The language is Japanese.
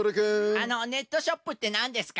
あのネットショップってなんですか？